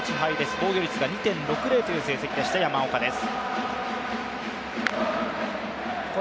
防御率が２．６０という成績でした山岡です。